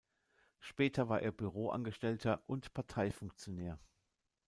Später war er Büroangestellter und Parteifunktionär.